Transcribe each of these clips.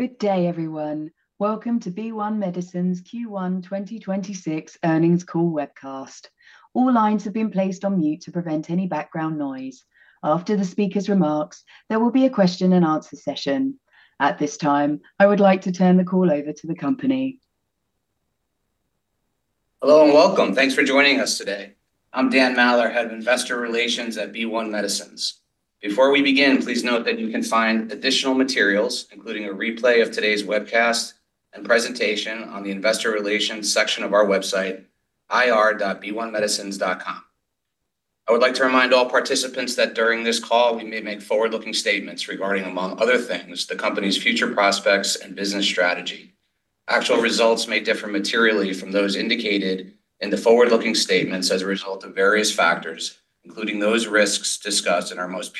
Good day, everyone. Welcome to BeOne Medicines Q1 2026 Earnings Call Webcast. All lines have been placed on mute to prevent any background noise. After the speaker's remarks, there will be a question and answer session. At this time, I would like to turn the call over to the company. Hello and welcome. Thanks for joining us today. I'm Daniel Maller, Head of Investor Relations at BeOne Medicines. Before we begin, please note that you can find additional materials, including a replay of today's webcast and presentation on the investor relations section of our website, ir.beonemedicines.com. I would like to remind all participants that during this call, we may make forward-looking statements regarding, among other things, the company's future prospects and business strategy. Actual results may differ materially from those indicated in the forward-looking statements as a result of various factors, including those risks discussed in our most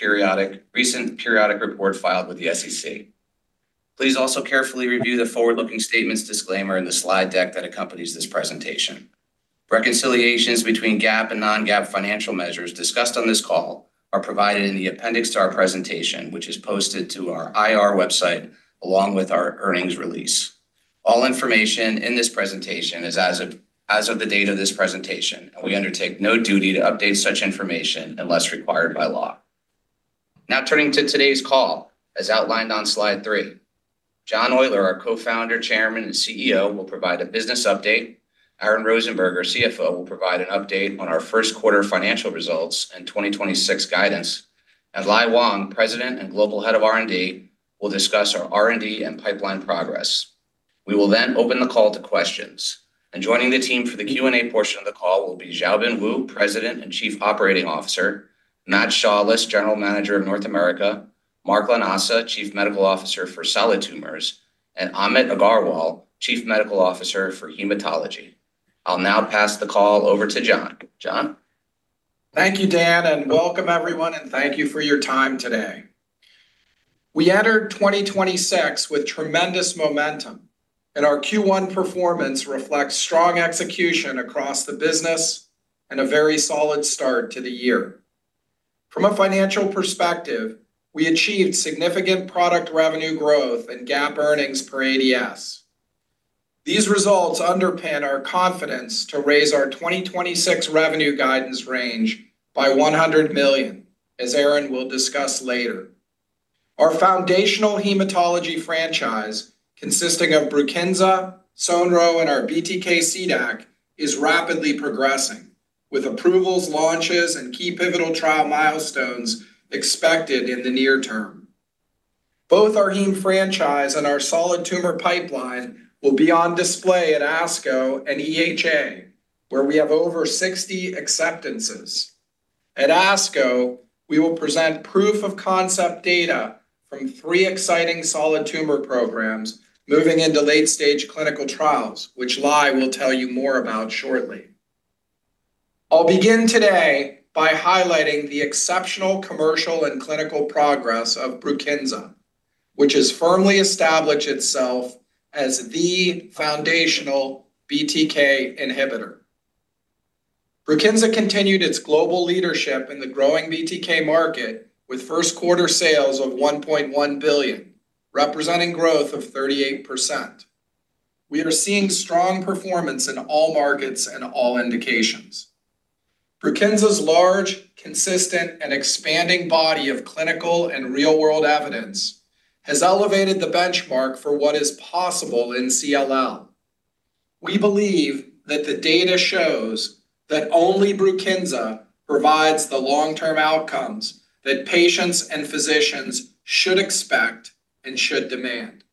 recent periodic report filed with the SEC. Please also carefully review the forward-looking statements disclaimer in the slide deck that accompanies this presentation. Reconciliations between GAAP and non-GAAP financial measures discussed on this call are provided in the appendix to our presentation, which is posted to our IR website along with our earnings release. All information in this presentation is as of the date of this presentation, and we undertake no duty to update such information unless required by law. Now, turning to today's call, as outlined on slide three, John Oyler, our Co-founder, Chairman, and CEO, will provide a business update. Aaron Rosenberg, our CFO, will provide an update on our first quarter financial results and 2026 guidance. Wang Lai, President and Global Head of R&D, will discuss our R&D and pipeline progress. We will then open the call to questions. Joining the team for the Q&A portion of the call will be Xiaobin Wu, President and Chief Operating Officer, Matt Shaulis, General Manager of North America, Mark Lanasa, Chief Medical Officer for Solid Tumors, and Amit Aggarwal, Chief Medical Officer for Hematology. I'll now pass the call over to John. John? Thank you, Dan, and welcome everyone, and thank you for your time today. We entered 2026 with tremendous momentum. Our Q1 performance reflects strong execution across the business and a very solid start to the year. From a financial perspective, we achieved significant product revenue growth and GAAP earnings per ADS. These results underpin our confidence to raise our 2026 revenue guidance range by $100 million, as Aaron will discuss later. Our foundational hematology franchise, consisting of BRUKINSA, Sonro, and our BTK CDAC, is rapidly progressing, with approvals, launches, and key pivotal trial milestones expected in the near term. Both our heme franchise and our solid tumor pipeline will be on display at ASCO and EHA, where we have over 60 acceptances. At ASCO, we will present proof of concept data from three exciting solid tumor programs moving into late-stage clinical trials, which Lai will tell you more about shortly. I'll begin today by highlighting the exceptional commercial and clinical progress of BRUKINSA, which has firmly established itself as the foundational BTK inhibitor. BRUKINSA continued its global leadership in the growing BTK market with first quarter sales of $1.1 billion, representing growth of 38%. We are seeing strong performance in all markets and all indications. BRUKINSA's large, consistent, and expanding body of clinical and real-world evidence has elevated the benchmark for what is possible in CLL. We believe that the data shows that only BRUKINSA provides the long-term outcomes that patients and physicians should expect and should demand.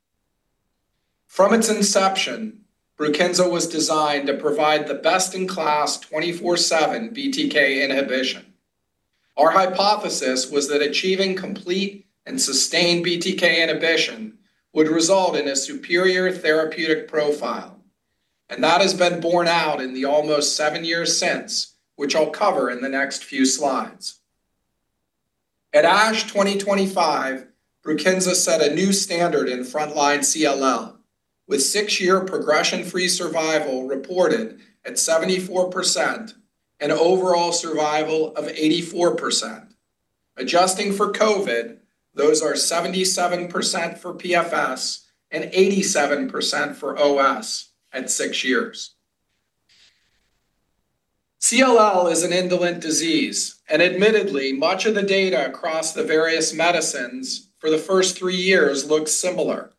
From its inception, BRUKINSA was designed to provide the best-in-class 24/7 BTK inhibition. Our hypothesis was that achieving complete and sustained BTK inhibition would result in a superior therapeutic profile, that has been borne out in the almost seven years since, which I'll cover in the next few slides. At ASH 2025, BRUKINSA set a new standard in frontline CLL, with six year progression-free survival reported at 74% and overall survival of 84%. Adjusting for COVID, those are 77% for PFS and 87% for OS at six years. CLL is an indolent disease, admittedly, much of the data across the various medicines for the first three years looks similar,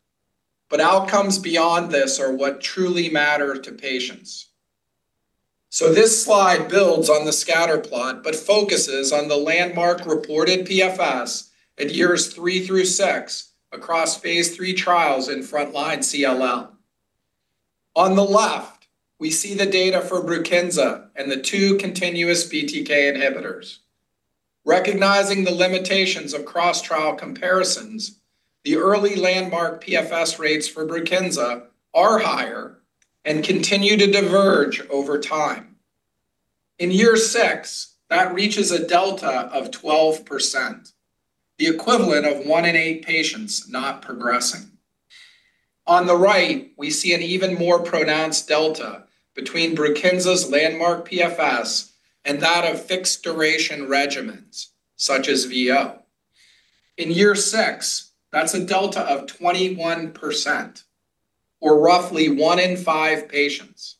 outcomes beyond this are what truly matter to patients. This slide builds on the scatter plot, focuses on the landmark reported PFS at years three through phase III trials in frontline CLL. On the left, we see the data for BRUKINSA and the two continuous BTK inhibitors. Recognizing the limitations of cross-trial comparisons, the early landmark PFS rates for BRUKINSA are higher and continue to diverge over time. In year six, that reaches a delta of 12%, the equivalent of one in eight patients not progressing. On the right, we see an even more pronounced delta between BRUKINSA's landmark PFS and that of fixed duration regimens such as VO. In year six, that's a delta of 21% or roughly one in five patients.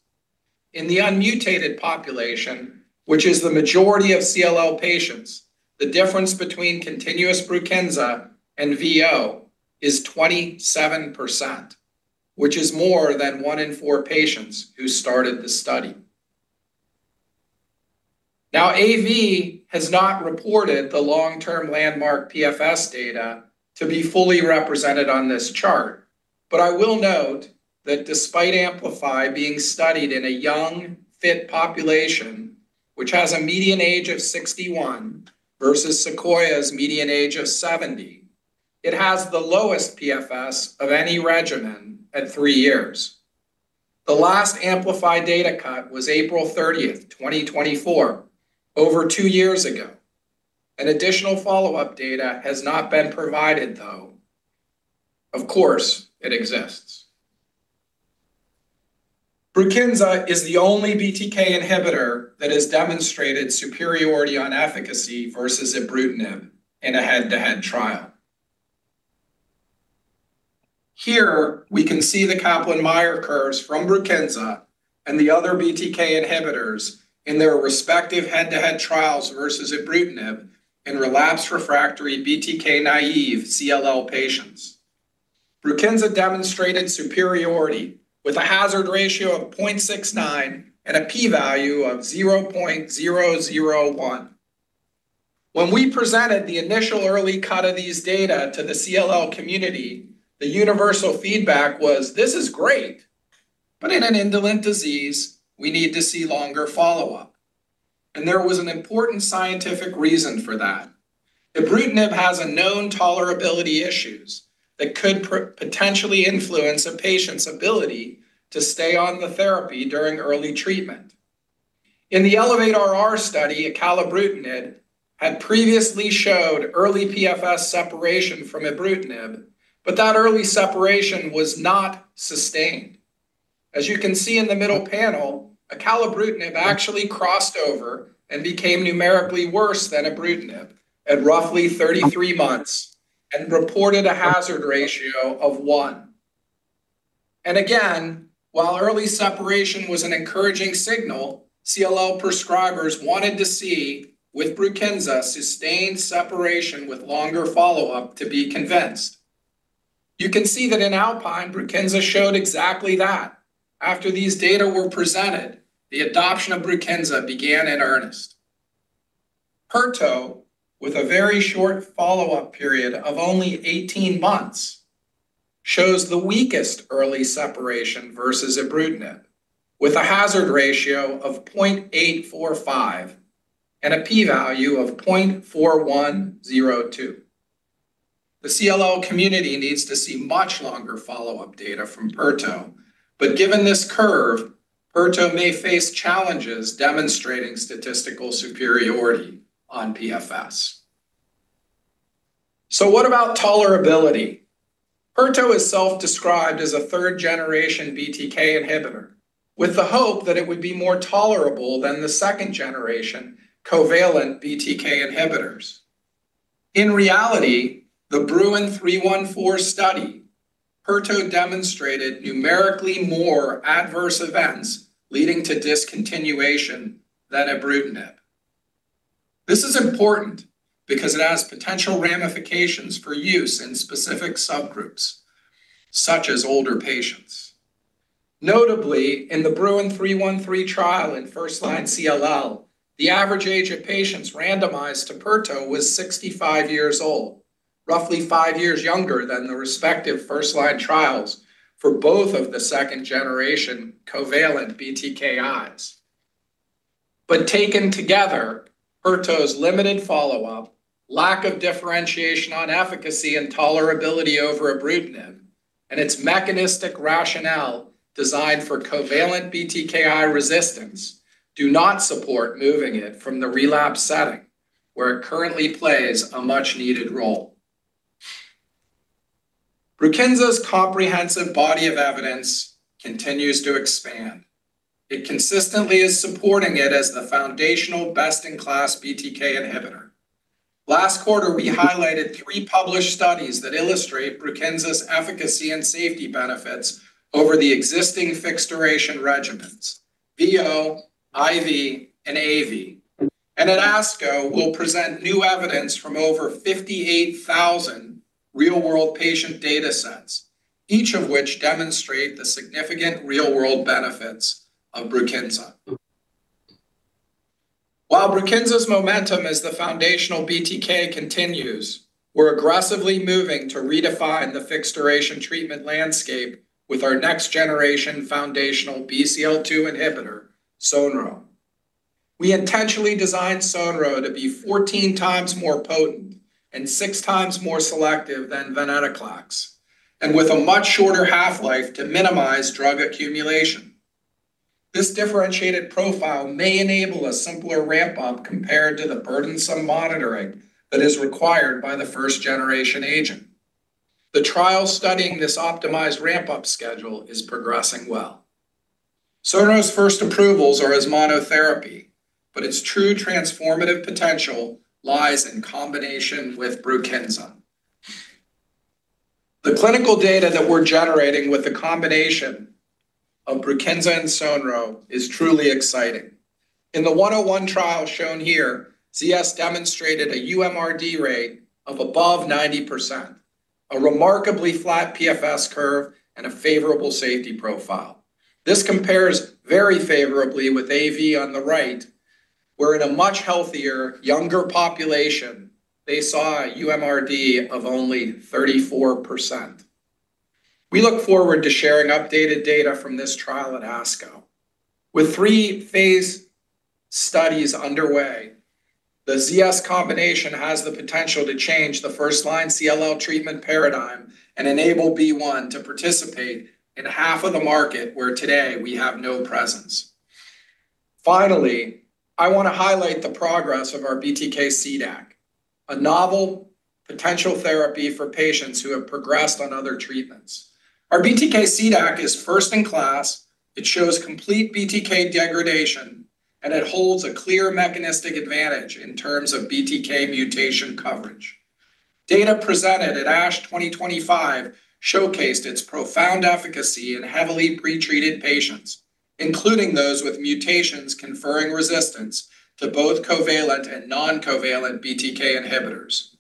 In the unmutated population, which is the majority of CLL patients, the difference between continuous BRUKINSA and VO is 27%, which is more than one in four patients who started the study. AbbVie has not reported the long-term landmark PFS data to be fully represented on this chart. I will note that despite AMPLIFY being studied in a young, fit population, which has a median age of 61 versus SEQUOIA's median age of 70, it has the lowest PFS of any regimen at three years. The last AMPLIFY data cut was 30th April 2024, over two years ago, and additional follow-up data has not been provided, though. Of course, it exists. BRUKINSA is the only BTK inhibitor that has demonstrated superiority on efficacy versus ibrutinib in a head-to-head trial. Here, we can see the Kaplan-Meier curves from BRUKINSA and the other BTK inhibitors in their respective head-to-head trials versus ibrutinib in relapsed refractory BTK-naive CLL patients. BRUKINSA demonstrated superiority with a hazard ratio of 0.69 and a P value of 0.001. When we presented the initial early cut of these data to the CLL community, the universal feedback was, "This is great, but in an indolent disease, we need to see longer follow-up." There was an important scientific reason for that. Ibrutinib has a known tolerability issues that could potentially influence a patient's ability to stay on the therapy during early treatment. In the ELEVATE-RR study, acalabrutinib had previously showed early PFS separation from ibrutinib, but that early separation was not sustained. As you can see in the middle panel, acalabrutinib actually crossed over and became numerically worse than ibrutinib at roughly 33 months and reported a hazard ratio of 1. Again, while early separation was an encouraging signal, CLL prescribers wanted to see with BRUKINSA sustained separation with longer follow-up to be convinced. You can see that in ALPINE, BRUKINSA showed exactly that. After these data were presented, the adoption of BRUKINSA began in earnest. pirtobrutinib, with a very short follow-up period of only 18 months, shows the weakest early separation versus ibrutinib, with a hazard ratio of 0.845 and a P value of 0.4102. The CLL community needs to see much longer follow-up data from pirtobrutinib. Given this curve, pirtobrutinib may face challenges demonstrating statistical superiority on PFS. What about tolerability? pirtobrutinib is self-described as a third-generation BTK inhibitor, with the hope that it would be more tolerable than the second-generation covalent BTK inhibitors. In reality, the BRUIN CLL-314 study, pirtobrutinib demonstrated numerically more adverse events leading to discontinuation than ibrutinib. This is important because it has potential ramifications for use in specific subgroups, such as older patients. Notably, in the BRUIN CLL-313 trial in first-line CLL, the average age of patients randomized to pirtobrutinib was 65 years old, roughly 5 years younger than the respective first-line trials for both of the second-generation covalent BTKIs. Taken together, pirtobrutinib's limited follow-up, lack of differentiation on efficacy and tolerability over ibrutinib, and its mechanistic rationale designed for covalent BTKI resistance do not support moving it from the relapse setting, where it currently plays a much-needed role. BRUKINSA's comprehensive body of evidence continues to expand. It consistently is supporting it as the foundational best-in-class BTK inhibitor. Last quarter, we highlighted 3 published studies that illustrate BRUKINSA's efficacy and safety benefits over the existing fixed-duration regimens, VO, IV, and AV. At ASCO, we'll present new evidence from over 58,000 real-world patient datasets, each of which demonstrate the significant real-world benefits of BRUKINSA. While BRUKINSA's momentum as the foundational BTK continues, we're aggressively moving to redefine the fixed-duration treatment landscape with our next-generation foundational BCL-2 inhibitor, Sonro. We intentionally designed Sonro to be 14x more potent and 6x more selective than venetoclax, and with a much shorter half-life to minimize drug accumulation. This differentiated profile may enable a simpler ramp-up compared to the burdensome monitoring that is required by the first-generation agent. The trial studying this optimized ramp-up schedule is progressing well. Sonro's first approvals are as monotherapy, its true transformative potential lies in combination with BRUKINSA. The clinical data that we're generating with the combination of BRUKINSA and Sonro is truly exciting. In the 101 trial shown here, ZS demonstrated a uMRD rate of above 90%, a remarkably flat PFS curve, and a favorable safety profile. This compares very favorably with AV on the right, where in a much healthier, younger population, they saw a uMRD of only 34%. We look forward to sharing updated data from this trial at ASCO. With 3 phase studies underway, the ZS combination has the potential to change the first-line CLL treatment paradigm and enable BeOne to participate in half of the market where today we have no presence. Finally, I wanna highlight the progress of our BTK CDAC, a novel potential therapy for patients who have progressed on other treatments. Our BTK CDAC is first in class, it shows complete BTK degradation, it holds a clear mechanistic advantage in terms of BTK mutation coverage. Data presented at ASH 2025 showcased its profound efficacy in heavily pretreated patients, including those with mutations conferring resistance to both covalent and non-covalent BTK inhibitors.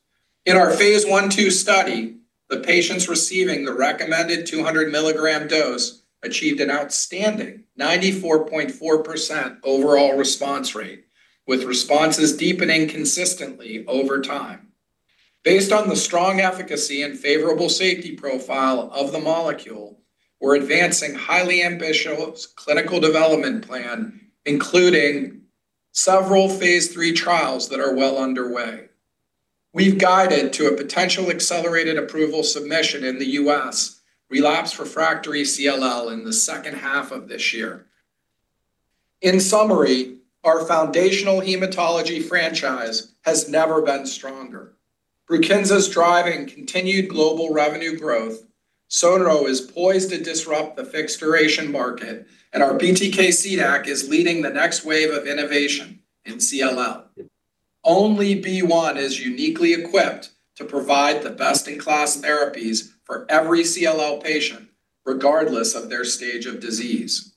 In our phase I-II study, the patients receiving the recommended 200 mg dose achieved an outstanding 94.4% overall response rate, with responses deepening consistently over time. Based on the strong efficacy and favorable safety profile of the molecule, we're advancing highly ambitious clinical development plan, phase III trials that are well underway. We've guided to a potential accelerated approval submission in the U.S., relapsed refractory CLL in the second half of this year. In summary, our foundational hematology franchise has never been stronger. BRUKINSA's driving continued global revenue growth, sonrotoclax is poised to disrupt the fixed-duration market, and our BTK CDAC is leading the next wave of innovation in CLL. Only BeOne is uniquely equipped to provide the best-in-class therapies for every CLL patient, regardless of their stage of disease.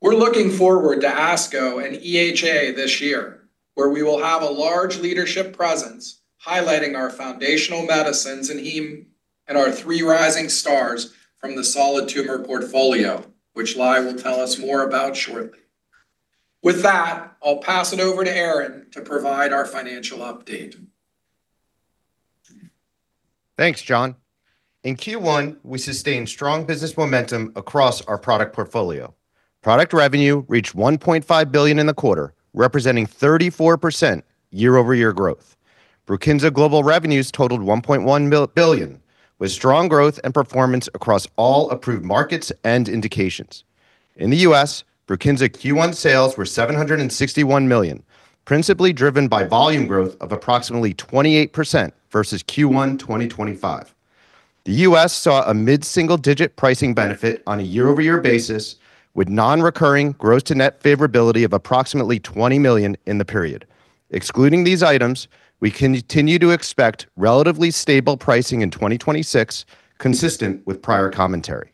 We're looking forward to ASCO and EHA this year, where we will have a large leadership presence highlighting our foundational medicines and our three rising stars from the solid tumor portfolio, which Lai will tell us more about shortly. With that, I'll pass it over to Aaron to provide our financial update. Thanks, John. In Q1, we sustained strong business momentum across our product portfolio. Product revenue reached $1.5 billion in the quarter, representing 34% year-over-year growth. BRUKINSA global revenues totaled $1.1 billion, with strong growth and performance across all approved markets and indications. In the U.S., BRUKINSA Q1 sales were $761 million, principally driven by volume growth of approximately 28% versus Q1 2025. The U.S. saw a mid-single-digit pricing benefit on a year-over-year basis, with non-recurring gross to net favorability of approximately $20 million in the period. Excluding these items, we continue to expect relatively stable pricing in 2026, consistent with prior commentary.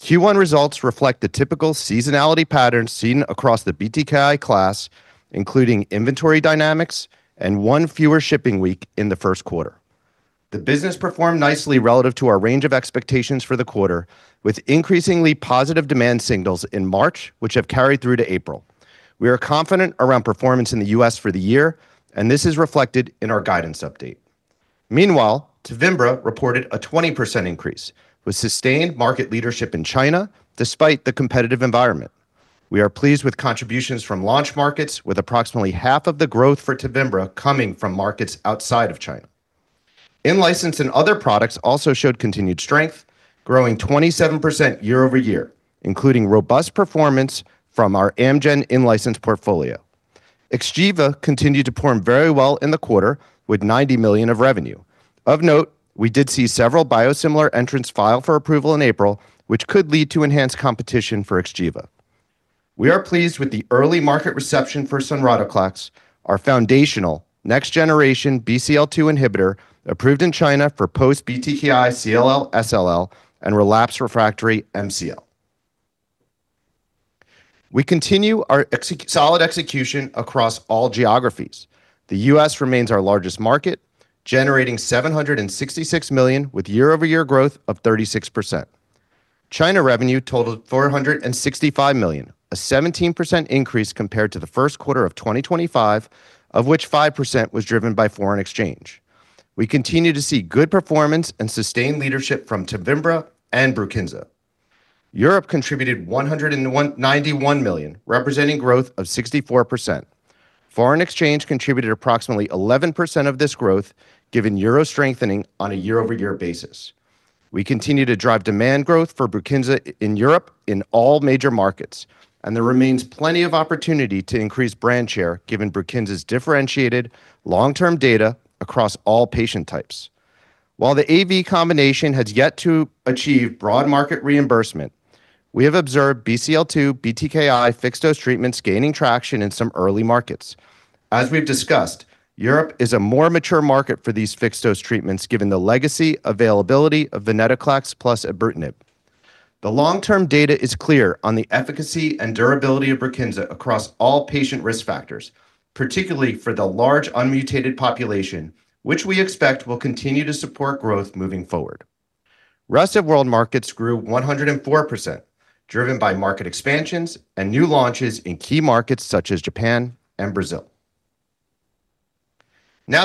Q1 results reflect the typical seasonality pattern seen across the BTKI class, including inventory dynamics and one fewer shipping week in the first quarter. The business performed nicely relative to our range of expectations for the quarter, with increasingly positive demand signals in March, which have carried through to April. We are confident around performance in the U.S. for the year, and this is reflected in our guidance update. Meanwhile, TEVIMBRA reported a 20% increase, with sustained market leadership in China despite the competitive environment. We are pleased with contributions from launch markets, with approximately half of the growth for TEVIMBRA coming from markets outside of China. In-license and other products also showed continued strength, growing 27% year-over-year, including robust performance from our Amgen in-license portfolio. XGEVA continued to perform very well in the quarter, with $90 million of revenue. Of note, we did see several biosimilar entrants file for approval in April, which could lead to enhanced competition for XGEVA. We are pleased with the early market reception for sonrotoclax, our foundational next-generation BCL-2 inhibitor approved in China for post-BTKI CLL/SLL and relapsed refractory MCL. We continue our solid execution across all geographies. The U.S. remains our largest market, generating $766 million with year-over-year growth of 36%. China revenue totaled $465 million, a 17% increase compared to the first quarter of 2025, of which 5% was driven by foreign exchange. We continue to see good performance and sustained leadership from TEVIMBRA and BRUKINSA. Europe contributed $91 million, representing growth of 64%. Foreign exchange contributed approximately 11% of this growth, given EUR strengthening on a year-over-year basis. We continue to drive demand growth for BRUKINSA in Europe in all major markets, and there remains plenty of opportunity to increase brand share given BRUKINSA's differentiated long-term data across all patient types. While the AV combination has yet to achieve broad market reimbursement, we have observed BCL-2, BTKI fixed-dose treatments gaining traction in some early markets. As we've discussed, Europe is a more mature market for these fixed-dose treatments given the legacy availability of venetoclax plus ibrutinib. The long-term data is clear on the efficacy and durability of BRUKINSA across all patient risk factors, particularly for the large unmutated population, which we expect will continue to support growth moving forward. Rest of world markets grew 104%, driven by market expansions and new launches in key markets such as Japan and Brazil.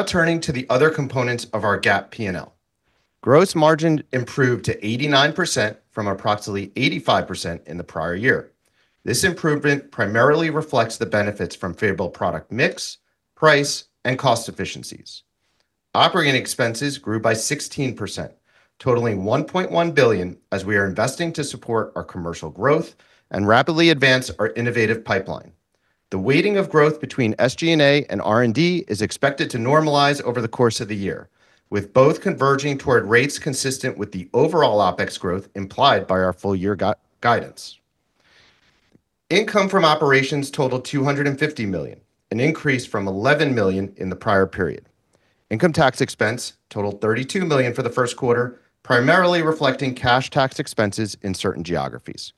Turning to the other components of our GAAP P&L. Gross margin improved to 89% from approximately 85% in the prior year. This improvement primarily reflects the benefits from favorable product mix, price, and cost efficiencies. Operating expenses grew by 16%, totaling $1.1 billion as we are investing to support our commercial growth and rapidly advance our innovative pipeline. The weighting of growth between SG&A and R&D is expected to normalize over the course of the year, with both converging toward rates consistent with the overall OPEX growth implied by our full year guidance. Income from operations totaled $250 million, an increase from $11 million in the prior period. Income tax expense totaled $32 million for the first quarter, primarily reflecting cash tax expenses in certain geographies.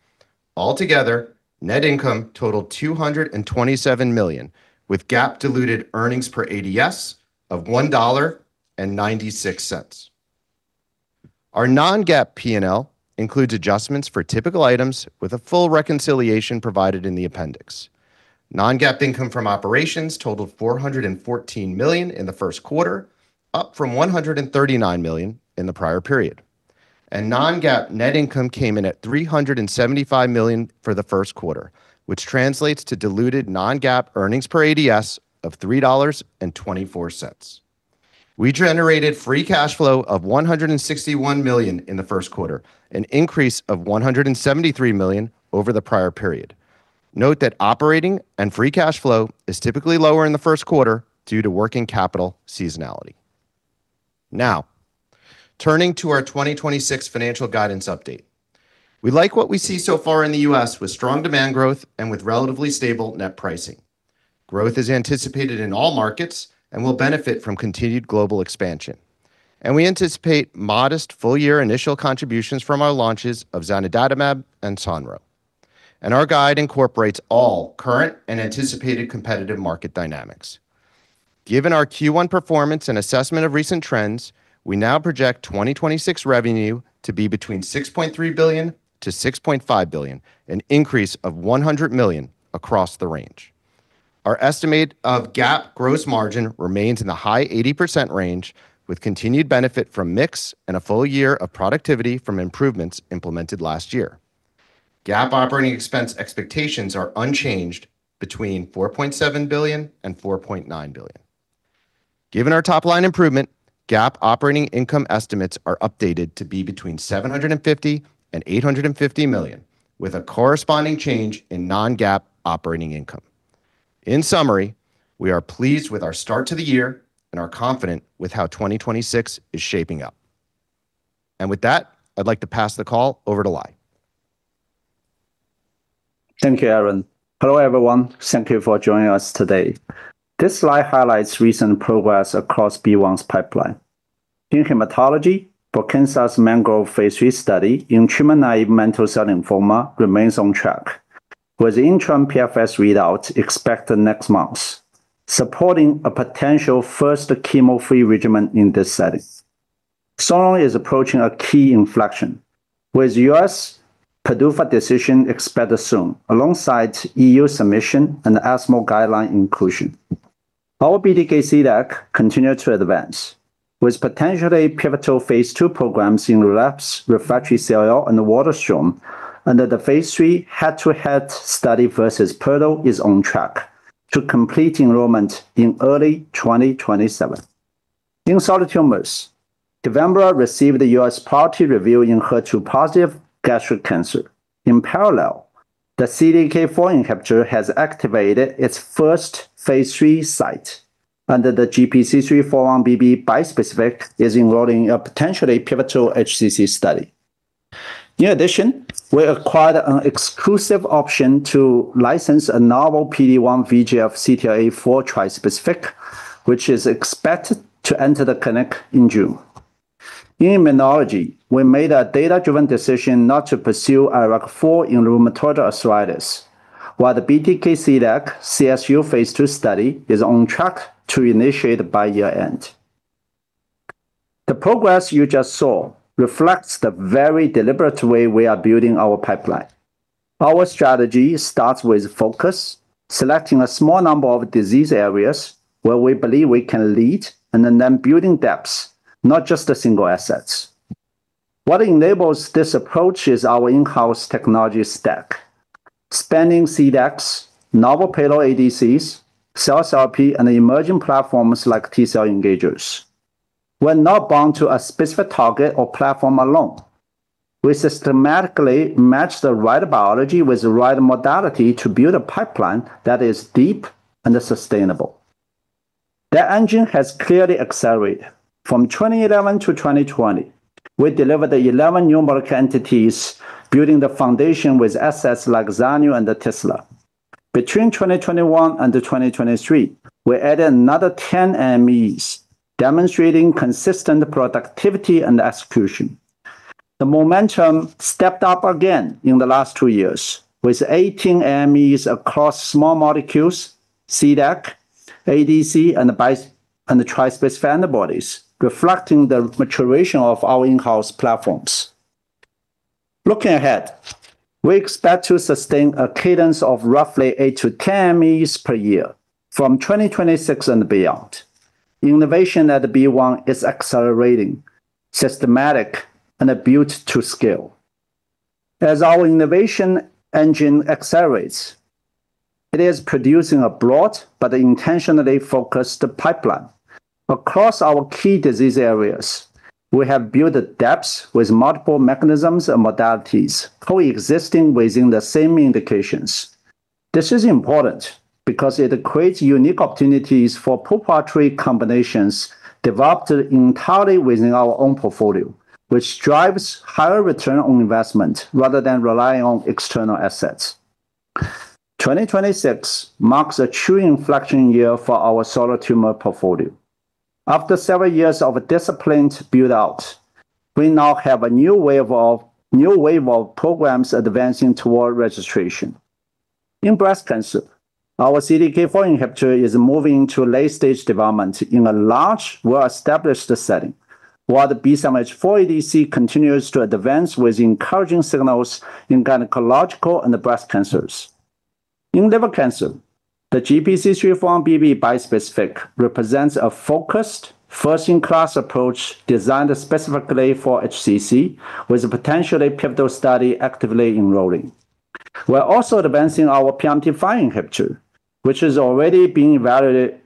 Altogether, net income totaled $227 million, with GAAP diluted earnings per ADS of $1.96. Our non-GAAP P&L includes adjustments for typical items with a full reconciliation provided in the appendix. Non-GAAP income from operations totaled $414 million in the first quarter, up from $139 million in the prior period. Non-GAAP net income came in at $375 million for the first quarter, which translates to diluted non-GAAP earnings per ADS of $3.24. We generated free cash flow of $161 million in the first quarter, an increase of $173 million over the prior period. Note that operating and free cash flow is typically lower in the first quarter due to working capital seasonality. Turning to our 2026 financial guidance update. We like what we see so far in the U.S. with strong demand growth and with relatively stable net pricing. Growth is anticipated in all markets and will benefit from continued global expansion. We anticipate modest full-year initial contributions from our launches of Zanidatamab and sonrotoclax. Our guide incorporates all current and anticipated competitive market dynamics. Given our Q1 performance and assessment of recent trends, we now project 2026 revenue to be between $6.3 billion-$6.5 billion, an increase of $100 million across the range. Our estimate of GAAP gross margin remains in the high 80% range with continued benefit from mix and a full year of productivity from improvements implemented last year. GAAP operating expense expectations are unchanged between $4.7 billion and $4.9 billion. Given our top line improvement, GAAP operating income estimates are updated to be between $750 million and $850 million, with a corresponding change in non-GAAP operating income. In summary, we are pleased with our start to the year and are confident with how 2026 is shaping up. With that, I'd like to pass the call over to Lai. Thank you, Aaron. Hello, everyone. Thank you for joining us today. This slide highlights recent progress across BeOne's pipeline. In hematology, for phase III study in treatment-naive mantle cell lymphoma remains on track, with interim PFS readouts expected next month, supporting a potential first chemo-free regimen in this setting. Sonro is approaching a key inflection, with U.S. PDUFA decision expected soon, alongside EU submission and ESMO guideline inclusion. Our BTK CDAC continued to advance, with potentially pivotal phase II programs in relapse refractory CLL and Waldenström, phase III head-to-head study versus pirtobrutinib is on track to complete enrollment in early 2027. In solid tumors, TEVIMBRA received the U.S. priority review in HER2-positive gastric cancer. In parallel, the CDK4 inhibitor has activated phase III site under the GPC3x4-1BB bispecific is enrolling a potentially pivotal HCC study. In addition, we acquired an exclusive option to license a novel PD-1/VEGF/CTLA-4 trispecific, which is expected to enter the clinic in June. In immunology, we made a data-driven decision not to pursue IRAK4 in rheumatoid arthritis, while the BTK CDAC CLL phase II study is on track to initiate by year-end. The progress you just saw reflects the very deliberate way we are building our pipeline. Our strategy starts with focus, selecting a small number of disease areas where we believe we can lead, then building depths, not just the single assets. What enables this approach is our in-house technology stack, spanning CDEX, novel payload ADCs, cell therapy, and emerging platforms like T cell engagers. We're not bound to a specific target or platform alone. We systematically match the right biology with the right modality to build a pipeline that is deep and sustainable. The engine has clearly accelerated. From 2011 to 2020, we delivered the 11 numerical entities building the foundation with assets like Zanidatamab and tislelizumab. Between 2021 and 2023, we added another 10 MEs, demonstrating consistent productivity and execution. The momentum stepped up again in the last two years, with 18 MEs across small molecules, CDAC, ADC, and bi- and trispecific antibodies, reflecting the maturation of our in-house platforms. Looking ahead, we expect to sustain a cadence of roughly 8-10 MEs per year from 2026 and beyond. Innovation at BeOne is accelerating, systematic, and built to scale. As our innovation engine accelerates, it is producing a broad but intentionally focused pipeline. Across our key disease areas, we have built depth with multiple mechanisms and modalities coexisting within the same indications. This is important because it creates unique opportunities for proprietary combinations developed entirely within our own portfolio, which drives higher return on investment rather than relying on external assets. 2026 marks a true inflection year for our solid tumor portfolio. After several years of disciplined build-out, we now have a new wave of programs advancing toward registration. In breast cancer, our CDK4 inhibitor is moving to late-stage development in a large, well-established setting, while the B7-H4 ADC continues to advance with encouraging signals in gynecological and breast cancers. In liver cancer, the GPC3 4-1BB bispecific represents a focused first-in-class approach designed specifically for HCC, with a potentially pivotal study actively enrolling. We're also advancing our PRMT5 inhibitor, which is already being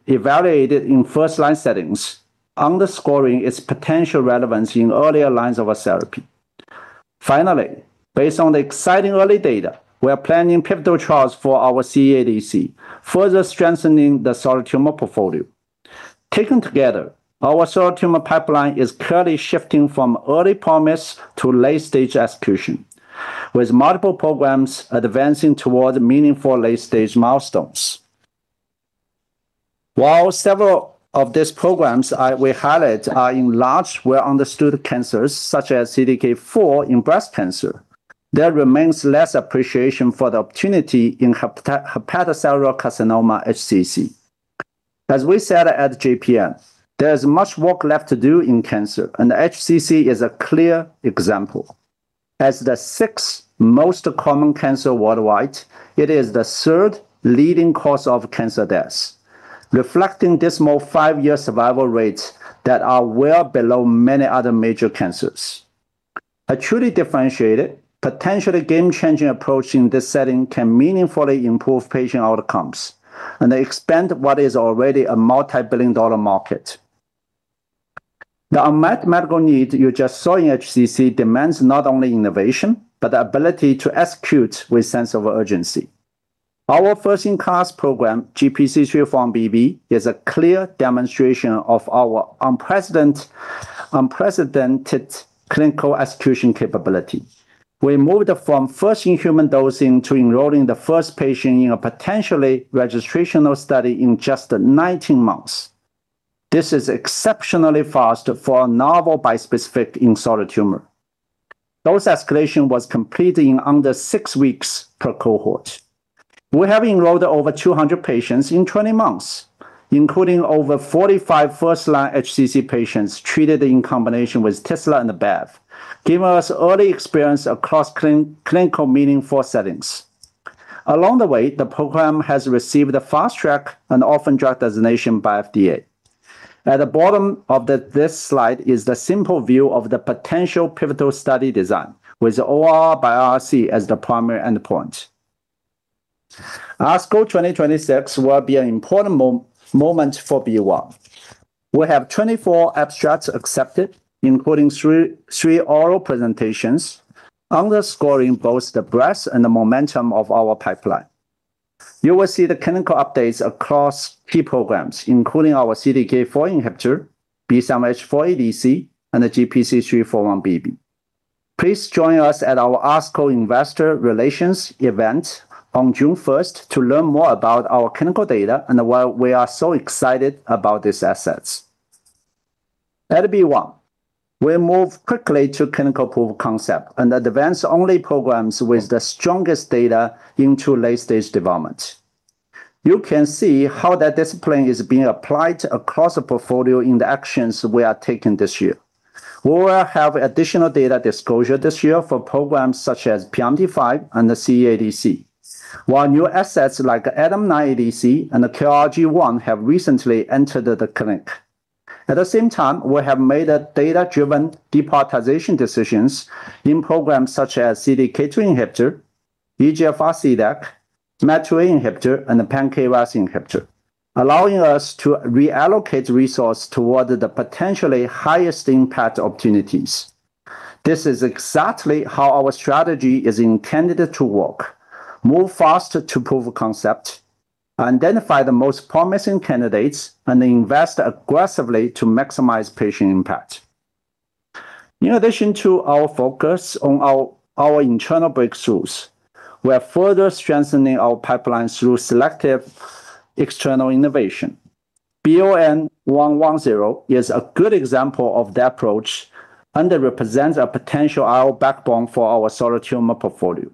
evaluated in first-line settings, underscoring its potential relevance in earlier lines of therapy. Based on the exciting early data, we're planning pivotal trials for our CDAC, further strengthening the solid tumor portfolio. Taken together, our solid tumor pipeline is currently shifting from early promise to late-stage execution, with multiple programs advancing towards meaningful late-stage milestones. Several of these programs we highlight are in large, well-understood cancers, such as CDK4 in breast cancer, there remains less appreciation for the opportunity in hepatocellular carcinoma, HCC. As we said at JPM, there's much work left to do in cancer. HCC is a clear example. As the 6th most common cancer worldwide, it is the 3rd leading cause of cancer deaths, reflecting dismal five year survival rates that are well below many other major cancers. A truly differentiated, potentially game-changing approach in this setting can meaningfully improve patient outcomes and expand what is already a multi-billion dollar market. The unmet medical need you just saw in HCC demands not only innovation, but the ability to execute with sense of urgency. Our first-in-class program, GPC3 4-1BB, is a clear demonstration of our unprecedented clinical execution capability. We moved from first-in-human dosing to enrolling the first patient in a potentially registrational study in just 19 months. This is exceptionally fast for a novel bispecific in solid tumor. Dose escalation was completed in under six weeks per cohort. We have enrolled over 200 patients in 20 months, including over 45 first-line HCC patients treated in combination with tislelizumab and bevacizumab, giving us early experience across clinical meaningful settings. Along the way, the program has received a Fast Track and Orphan Drug Designation by FDA. At the bottom of this slide is the simple view of the potential pivotal study design, with ORR by RC as the primary endpoint. ASCO 2026 will be an important moment for BeOne. We have 24 abstracts accepted, including three oral presentations, underscoring both the breadth and the momentum of our pipeline. You will see the clinical updates across key programs, including our CDK4 inhibitor, B7-H4 ADC, and the GPC3 4-1BB. Please join us at our ASCO Investor Relations event on 1 June to learn more about our clinical data and why we are so excited about these assets. At BeOne, we move quickly to clinical proof of concept and advance only programs with the strongest data into late-stage development. You can see how that discipline is being applied across the portfolio in the actions we are taking this year. We will have additional data disclosure this year for programs such as PRMT5 and the CDAC, while new assets like ADAM9 ADC and the QRG one have recently entered the clinic. At the same time, we have made data-driven deprioritization decisions in programs such as CDK2 inhibitor, EGFR CDAC, MET inhibitor, and the pan-KRAS inhibitor, allowing us to reallocate resource toward the potentially highest impact opportunities. This is exactly how our strategy is intended to work. Move faster to prove concept, identify the most promising candidates, and invest aggressively to maximize patient impact. In addition to our focus on our internal breakthroughs, we are further strengthening our pipeline through selective external innovation. BON-110 is a good example of the approach and represents a potential IO backbone for our solid tumor portfolio.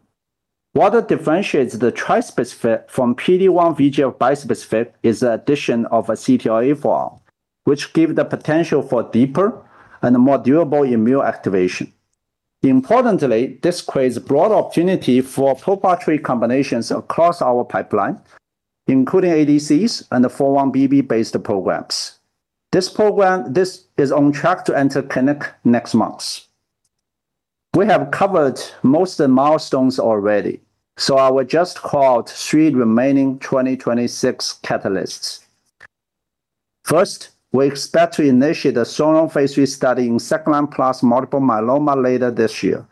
What differentiates the trispecific from PD-1/VEGF bispecific is the addition of a CTLA-4 arm, which give the potential for deeper and more durable immune activation. Importantly, this creates broad opportunity for proprietary combinations across our pipeline, including ADCs and the 4-1BB-based programs. This program is on track to enter clinic next month. We have covered most of the milestones already. I will just call out three remaining 2026 catalysts. First, we expect to initiate phase III study in second-line plus multiple myeloma later this year,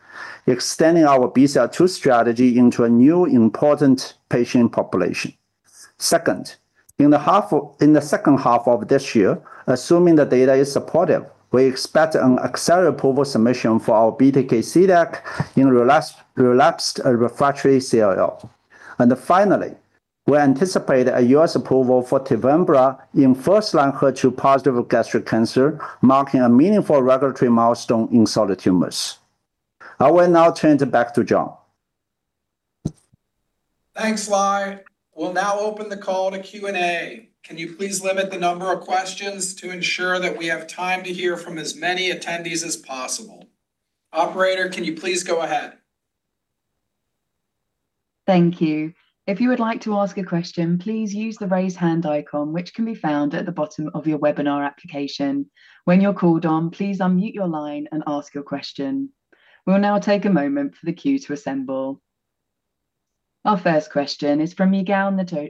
extending our BCL-2 strategy into a new important patient population. Second, in the second half of this year, assuming the data is supportive, we expect an accelerated approval submission for our BTK CDAC in relapsed refractory CLL. Finally, we anticipate a U.S. approval for TEVIMBRA in first-line HER2-positive gastric cancer, marking a meaningful regulatory milestone in solid tumors. I will now turn it back to John. Thanks, Lai. We'll now open the call to Q&A. Can you please limit the number of questions to ensure that we have time to hear from as many attendees as possible? Operator, can you please go ahead? Thank you. If you would like to ask a question, please use the raise hand icon, which can be found at the bottom of your webinar application. When you're called on, please unmute your line and ask your question. We will now take a moment for the queue to assemble. Our first question is from Yigal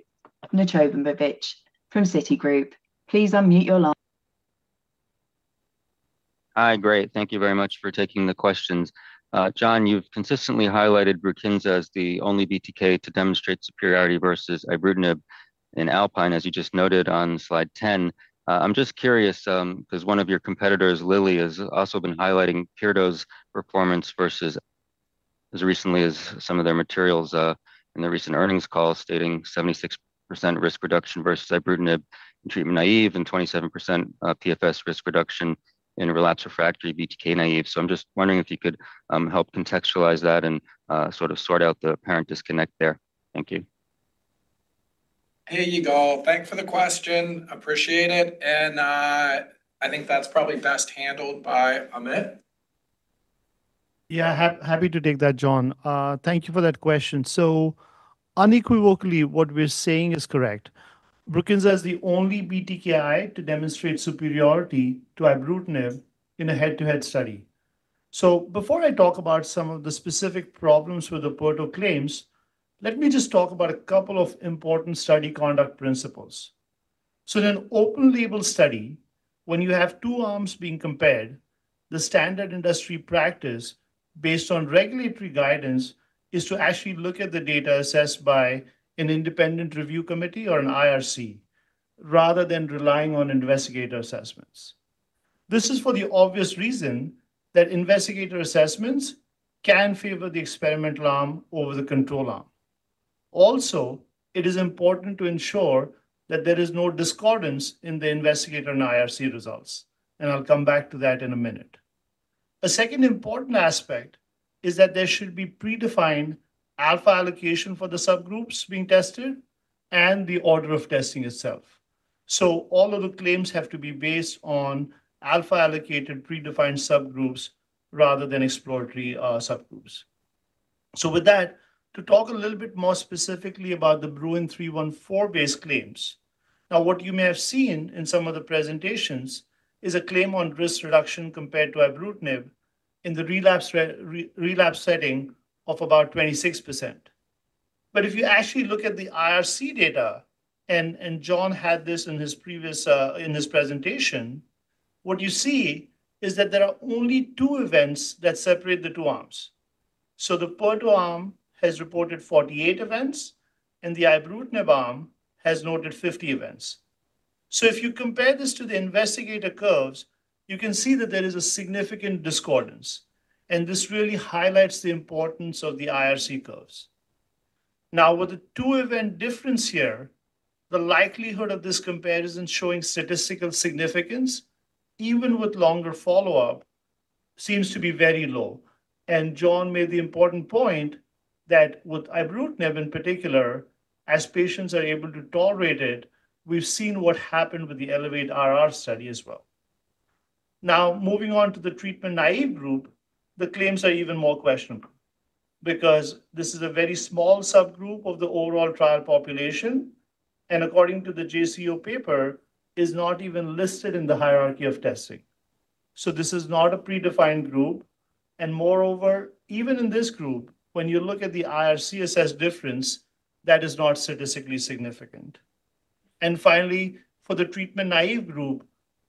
Nochomovitz from Citigroup. Please unmute your line. Hi. Great. Thank you very much for taking the questions. John, you've consistently highlighted BRUKINSA as the only BTK to demonstrate superiority versus ibrutinib in ALPINE, as you just noted on slide 10. I'm just curious, because one of your competitors, Lilly, has also been highlighting pirtobrutinib's performance versus as recently as some of their materials, in their recent earnings call stating 76% risk reduction versus ibrutinib in treatment-naive and 27% PFS risk reduction in relapse/refractory BTK-naive. I'm just wondering if you could help contextualize that and sort of sort out the apparent disconnect there. Thank you. Hey, Yigal Nochomovitz. Thank you for the question. Appreciate it. I think that's probably best handled by Amit. Happy to take that, John. Thank you for that question. Unequivocally, what we're saying is correct. BRUKINSA is the only BTKI to demonstrate superiority to ibrutinib in a head-to-head study. Before I talk about some of the specific problems with the pirtobrutinib claims, let me just talk about a couple of important study conduct principles. In an open-label study, when you have two arms being compared, the standard industry practice based on regulatory guidance is to actually look at the data assessed by an independent review committee or an IRC, rather than relying on investigator assessments. This is for the obvious reason that investigator assessments can favor the experimental arm over the control arm. Also, it is important to ensure that there is no discordance in the investigator and IRC results, and I'll come back to that in a minute. A second important aspect is that there should be predefined alpha allocation for the subgroups being tested and the order of testing itself. All of the claims have to be based on alpha-allocated predefined subgroups rather than exploratory subgroups. With that, to talk a little bit more specifically about the BRUIN CLL-314 base claims. Now, what you may have seen in some of the presentations is a claim on risk reduction compared to ibrutinib in the relapse setting of about 26%. If you actually look at the IRC data, and John had this in his previous in his presentation, what you see is that there are only two events that separate the two arms. The pirtobrutinib arm has reported 48 events, and the ibrutinib arm has noted 50 events. If you compare this to the investigator curves, you can see that there is a significant discordance, and this really highlights the importance of the IRC curves. With the two event difference here, the likelihood of this comparison showing statistical significance, even with longer follow-up, seems to be very low. John made the important point that with ibrutinib in particular, as patients are able to tolerate it, we've seen what happened with the ELEVATE-RR study as well. Moving on to the treatment-naïve group, the claims are even more questionable because this is a very small subgroup of the overall trial population, and according to the JCO paper, is not even listed in the hierarchy of testing. This is not a predefined group, and moreover, even in this group, when you look at the IRCSS difference, that is not statistically significant. Finally, for the treatment-naive group,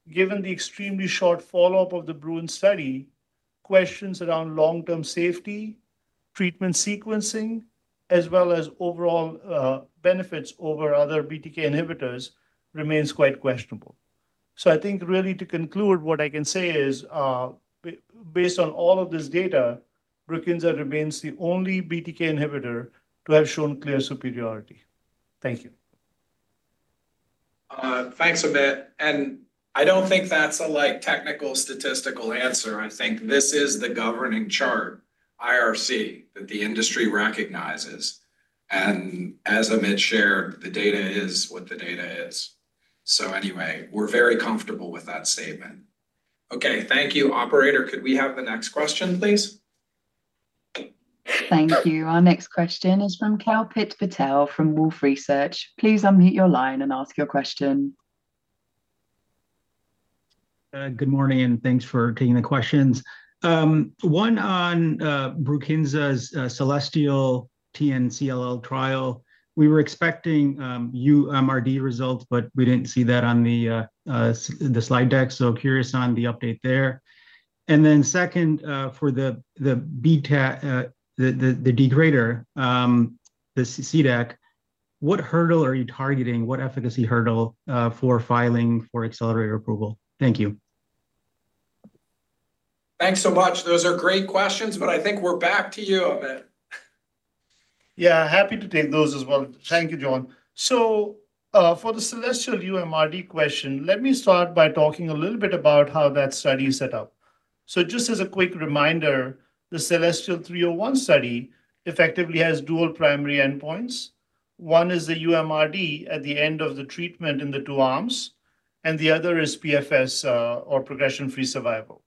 given the extremely short follow-up of the BRUIN study, questions around long-term safety, treatment sequencing, as well as overall benefits over other BTK inhibitors remains quite questionable. I think really to conclude, what I can say is, based on all of this data, BRUKINSA remains the only BTK inhibitor to have shown clear superiority. Thank you. Thanks, Amit. I don't think that's a, like, technical statistical answer. I think this is the governing chart, IRC, that the industry recognizes. As Amit shared, the data is what the data is. Anyway, we're very comfortable with that statement. Okay, thank you. Operator, could we have the next question, please? Thank you. Our next question is from Kalpit Patel from Wolfe Research. Please unmute your line and ask your question. Good morning, thanks for taking the questions. One on BRUKINSA's CELESTIAL-TNCLL CLL trial. We were expecting uMRD results, we didn't see that on the slide deck, curious on the update there. Then second, for the degrader, the CDAC, what hurdle are you targeting, what efficacy hurdle for filing for accelerated approval? Thank you. Thanks so much. Those are great questions. I think we're back to you, Amit. Yeah, happy to take those as well. Thank you, John. For the CELESTIAL uMRD question, let me start by talking a little bit about how that study is set up. Just as a quick reminder, the CELESTIAL-301 study effectively has dual primary endpoints. One is the uMRD at the end of the treatment in the two arms, and the other is PFS, or progression-free survival.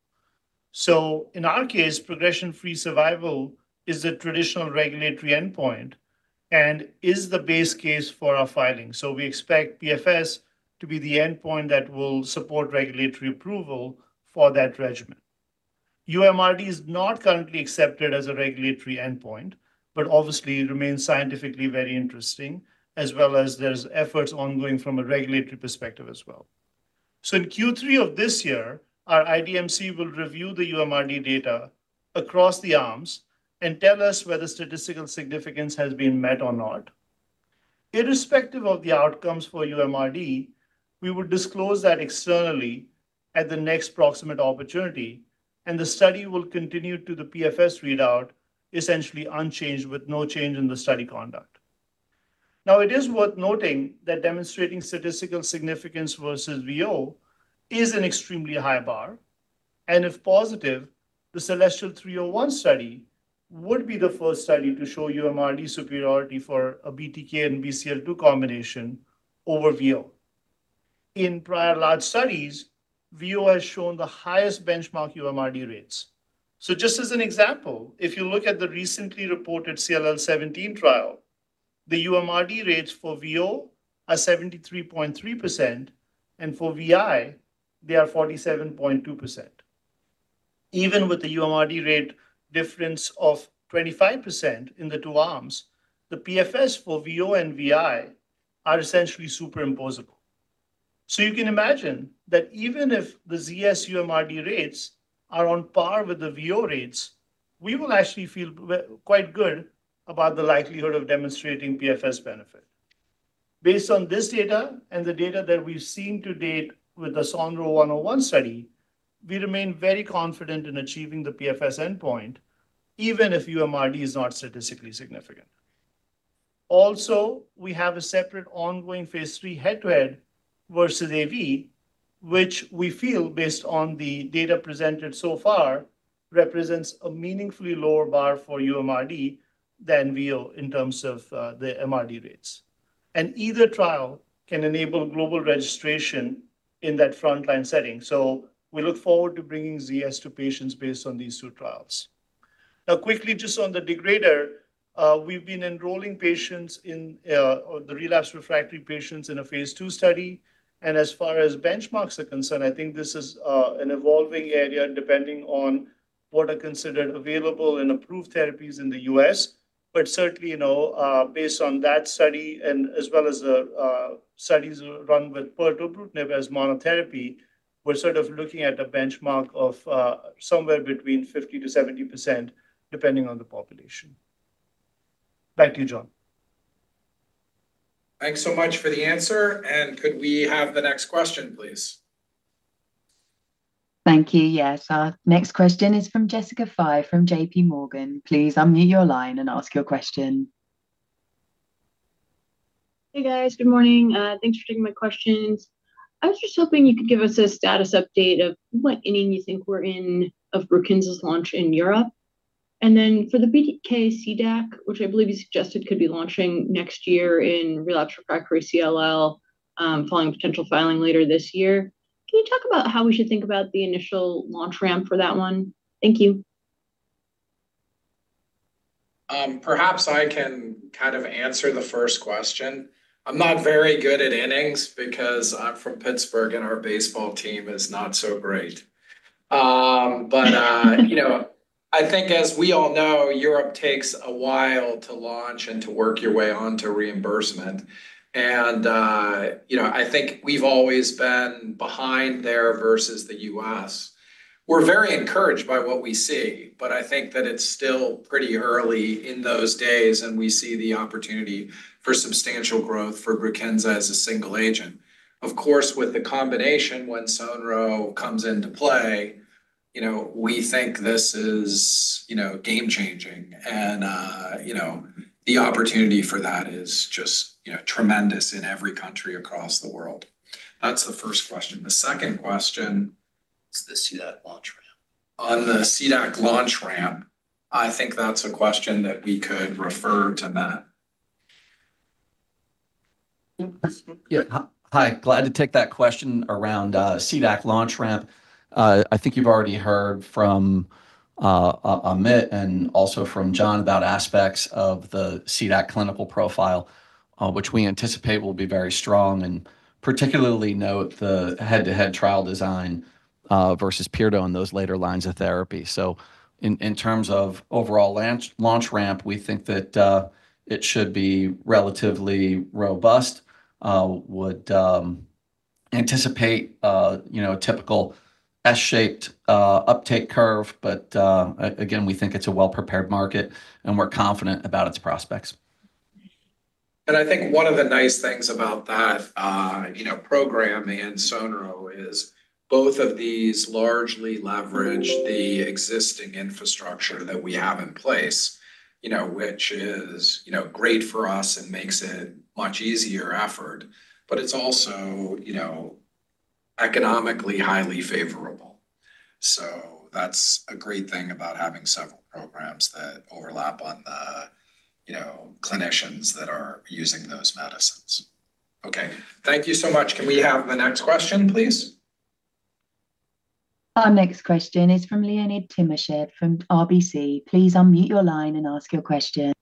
In our case, progression-free survival is the traditional regulatory endpoint and is the base case for our filing. We expect PFS to be the endpoint that will support regulatory approval for that regimen. uMRD is not currently accepted as a regulatory endpoint, but obviously remains scientifically very interesting, as well as there's efforts ongoing from a regulatory perspective as well. In Q3 of this year, our IDMC will review the uMRD data across the arms and tell us whether statistical significance has been met or not. Irrespective of the outcomes for uMRD, we will disclose that externally at the next proximate opportunity, and the study will continue to the PFS readout, essentially unchanged with no change in the study conduct. It is worth noting that demonstrating statistical significance versus VO is an extremely high bar, and if positive, the CELESTIAL-301 study would be the first study to show uMRD superiority for a BTK and BCL-2 combination over VO. In prior large studies, VO has shown the highest benchmark uMRD rates. Just as an example, if you look at the recently reported CLL17 trial, the uMRD rates for VO are 73.3%, and for VI, they are 47.2%. Even with the uMRD rate difference of 25% in the two arms, the PFS for VO and VI are essentially superimposable. You can imagine that even if the ZS uMRD rates are on par with the VO rates, we will actually feel quite good about the likelihood of demonstrating PFS benefit. Based on this data and the data that we've seen to date with the SONRO-101 study, we remain very confident in achieving the PFS endpoint, even if uMRD is not statistically significant. We have a phase III head-to-head versus AV, which we feel, based on the data presented so far, represents a meaningfully lower bar for uMRD than VO in terms of the MRD rates. Either trial can enable global registration in that frontline setting, we look forward to bringing ZS to patients based on these two trials. Now, quickly, just on the degrader, we've been enrolling patients in or the relapsed refractory patients in a phase II study. As far as benchmarks are concerned, I think this is an evolving area depending on what are considered available and approved therapies in the U.S. Certainly, you know, based on that study and as well as studies run with pirtobrutinib as monotherapy, we're sort of looking at a benchmark of somewhere between 50%-70%, depending on the population. Thank you, John. Thanks so much for the answer. Could we have the next question, please? Thank you. Yes. Our next question is from Jessica Fye from JPMorgan. Please unmute your line and ask your question. Hey, guys. Good morning. Thanks for taking my questions. I was just hoping you could give us a status update of what inning you think we're in of BRUKINSA's launch in Europe? For the BTK CDAC, which I believe you suggested could be launching next year in relapse/refractory CLL, following potential filing later this year. Can you talk about how we should think about the initial launch ramp for that one? Thank you. Perhaps I can kind of answer the first question. I'm not very good at innings because I'm from Pittsburgh, and our baseball team is not so great. You know, I think as we all know, Europe takes a while to launch and to work your way onto reimbursement. You know, I think we've always been behind there versus the U.S. We're very encouraged by what we see, but I think that it's still pretty early in those days, and we see the opportunity for substantial growth for BRUKINSA as a single agent. Of course, with the combination, when sonrotoclax comes into play, you know, we think this is, you know, game-changing. You know, the opportunity for that is just, you know, tremendous in every country across the world. That's the first question. The second question is the CDAC launch ramp? On the CDAC launch ramp, I think that's a question that we could refer to Matt. Yeah. Hi, glad to take that question around CDAC launch ramp. I think you've already heard from Amit and also from John about aspects of the CDAC clinical profile, which we anticipate will be very strong and particularly note the head-to-head trial design versus pirtobrutinib on those later lines of therapy. In terms of overall launch ramp, we think that it should be relatively robust. Would anticipate, you know, typical S-shaped uptake curve. Again, we think it's a well-prepared market, and we're confident about its prospects. I think one of the nice things about that, you know, program and sonrotoclax is both of these largely leverage the existing infrastructure that we have in place, you know, which is, you know, great for us and makes it much easier effort. It's also, you know, economically highly favorable. That's a great thing about having several programs that overlap on the, you know, clinicians that are using those medicines. Okay. Thank you so much. Can we have the next question, please? Our next question is from Leonid Timashev from RBC. Please unmute your line and ask your question.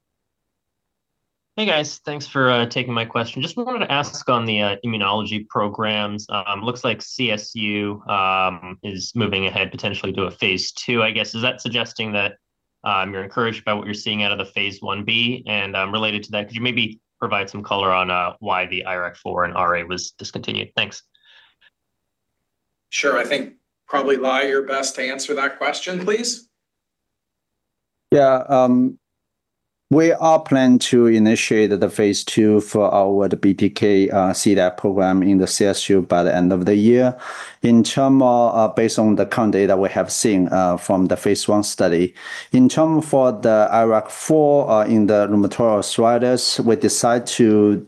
Hey, guys. Thanks for taking my question. Just wanted to ask on the immunology programs. Looks like CLL is moving ahead potentially to a phase II, I guess. Is that suggesting that you're encouraged by what you're seeing out of the phase I-B? Related to that, could you maybe provide some color on why the IRAK4 in RA was discontinued? Thanks. Sure. I think probably Lai, you're best to answer that question, please. Yeah. We are planning to initiate the phase II for our BTK CDAC program in the CLL by the end of the year. In term, based on the current data we have seen from the phase I study. In term for the IRAK4 in the rheumatoid arthritis, we decide to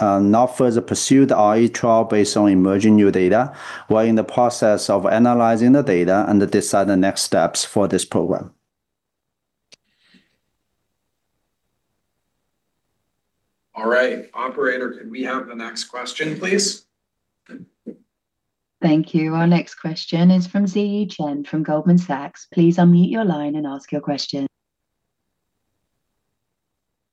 not further pursue the phase II trial based on emerging new data. We're in the process of analyzing the data and decide the next steps for this program. All right. Operator, can we have the next question, please? Thank you. Our next question is from Ziyi Chen from Goldman Sachs. Please unmute your line and ask your question.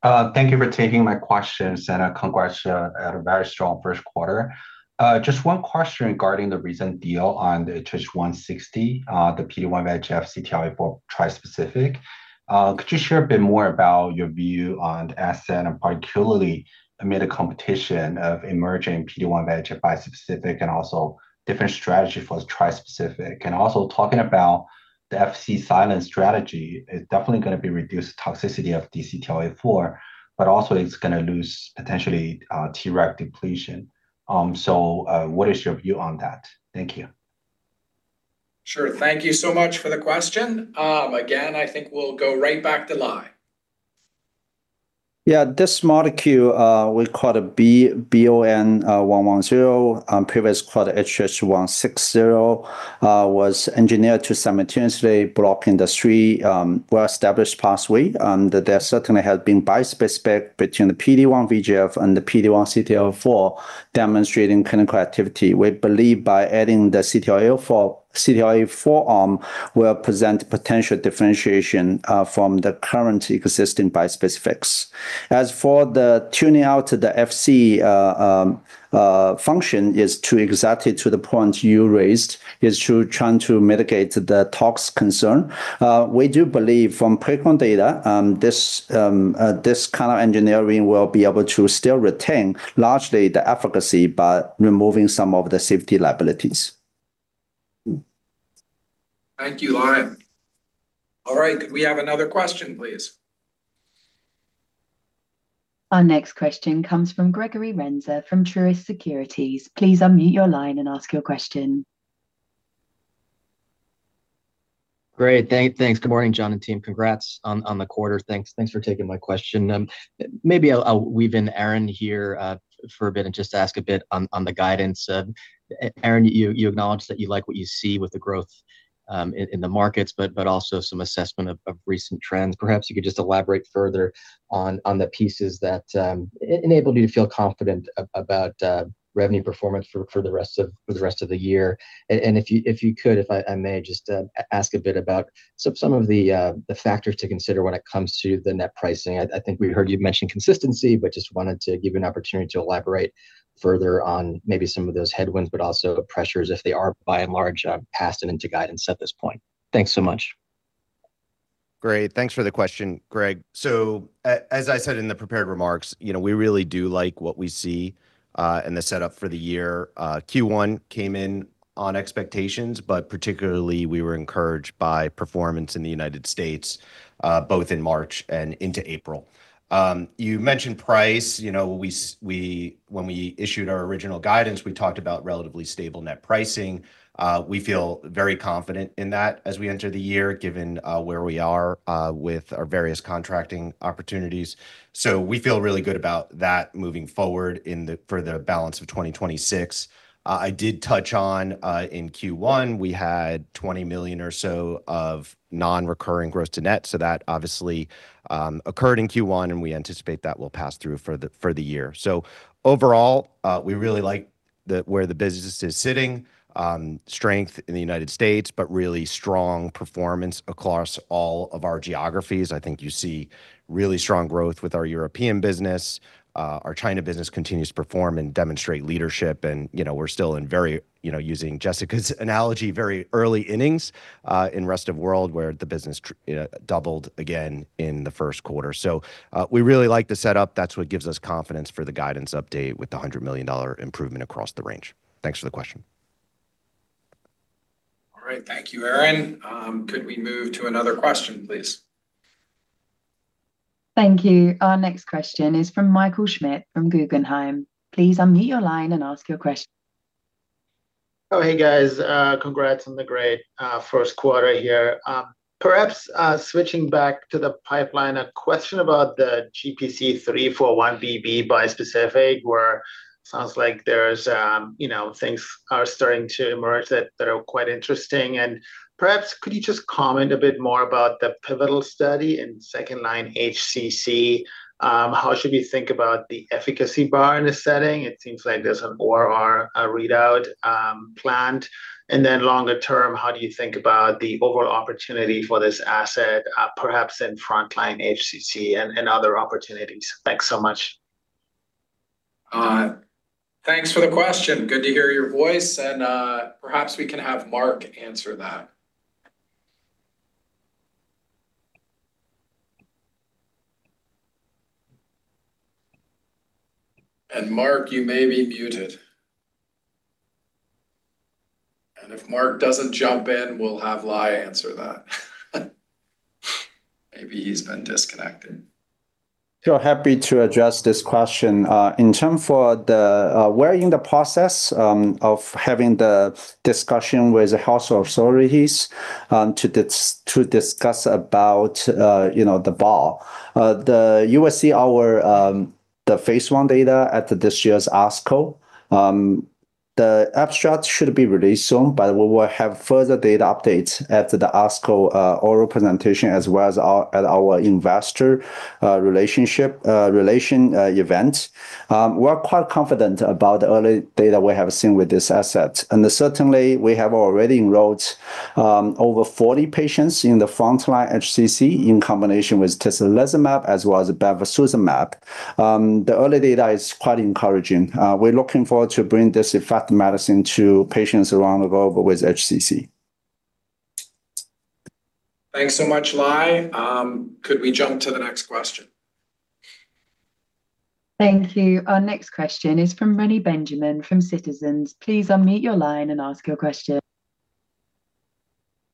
Thank you for taking my question, congrats on a very strong first quarter. Just one question regarding the recent deal on the HH-160, the PD-1/VEGF/CTLA-4 trispecific. Could you share a bit more about your view on the asset, particularly amid the competition of emerging PD-1/VEGF bispecific and also different strategy for trispecific? Also talking about the Fc silent strategy is definitely gonna be reduced toxicity of CTLA-4, but also it's gonna lose potentially Treg depletion. What is your view on that? Thank you. Sure. Thank you so much for the question. Again, I think we'll go right back to Lai. Yeah, this molecule, we call the BON-110, previous called HH-160, was engineered to simultaneously block the three well-established pathway. There certainly has been bispecific between the PD-1/VEGF and the PD-1/CTLA-4 demonstrating clinical activity. We believe by adding the CTLA-4 arm will present potential differentiation from the current existing bispecifics. As for the tuning out the Fc function is to exactly to the point you raised, is to trying to mitigate the tox concern. We do believe from preclinical data, this kind of engineering will be able to still retain largely the efficacy by removing some of the safety liabilities. Thank you, Lai. All right, could we have another question, please? Our next question comes from Gregory Renza from Truist Securities. Please unmute your line and ask your question. Great. Thanks. Good morning, John and team. Congrats on the quarter. Thanks for taking my question. Maybe I'll weave in Aaron here for a bit and just ask a bit on the guidance. Aaron, you acknowledged that you like what you see with the growth in the markets, but also some assessment of recent trends. Perhaps you could just elaborate further on the pieces that enabled you to feel confident about revenue performance for the rest of the year. If you could, if I may just ask a bit about some of the factors to consider when it comes to the net pricing. I think we heard you mention consistency, but just wanted to give you an opportunity to elaborate further on maybe some of those headwinds, but also pressures if they are by and large, passed and into guidance at this point. Thanks so much. Great. Thanks for the question, Greg. As I said in the prepared remarks, you know, we really do like what we see in the setup for the year. Q1 came in on expectations, but particularly we were encouraged by performance in the U.S., both in March and into April. You mentioned price. You know, we When we issued our original guidance, we talked about relatively stable net pricing. We feel very confident in that as we enter the year, given where we are with our various contracting opportunities. We feel really good about that moving forward in the for the balance of 2026. I did touch on in Q1, we had $20 million or so of non-recurring gross to net, so that obviously occurred in Q1, and we anticipate that will pass through for the year. Overall, we really like where the business is sitting. Strength in the United States, but really strong performance across all of our geographies. I think you see really strong growth with our European business. Our China business continues to perform and demonstrate leadership and, you know, we're still in very, you know, using Jessica's analogy, very early innings in rest of world where the business, you know, doubled again in the first quarter. We really like the setup. That's what gives us confidence for the guidance update with the $100 million improvement across the range. Thanks for the question. All right. Thank you, Aaron. Could we move to another question, please? Thank you. Our next question is from Michael Schmidt from Guggenheim. Please unmute your line and ask your question. Hey, guys. Congrats on the great first quarter here. Perhaps switching back to the pipeline, a question about the GPC3 4-1BB bispecific, where sounds like there's, you know, things are starting to emerge that are quite interesting. Perhaps could you just comment a bit more about the pivotal study in second-line HCC? How should we think about the efficacy bar in this setting? It seems like there's an ORR readout planned. Longer term, how do you think about the overall opportunity for this asset, perhaps in frontline HCC and other opportunities? Thanks so much. Thanks for the question. Good to hear your voice. Perhaps we can have Mark answer that. Mark, you may be muted. If Mark doesn't jump in, we'll have Lai answer that. Maybe he's been disconnected. Sure. Happy to address this question. In term for the we're in the process of having the discussion with the Health Authorities to discuss about, you know, the bar. You will see our phase I data at this year's ASCO. The abstract should be released soon. We will have further data updates at the ASCO oral presentation, as well as at our investor relationship event. We're quite confident about the early data we have seen with this asset. Certainly, we have already enrolled 40 patients in the frontline HCC in combination with tislelizumab as well as bevacizumab. The early data is quite encouraging. We're looking forward to bring this effective medicine to patients around the globe with HCC. Thanks so much, Lai. Could we jump to the next question? Thank you. Our next question is from Reni Benjamin from Citizens JMP. Please unmute your line and ask your question.